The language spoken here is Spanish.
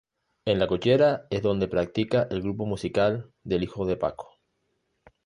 En la cochera es donde practica el grupo musical del hijo de Paco.